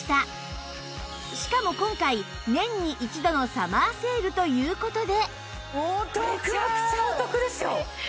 しかも今回年に１度のサマーセールという事で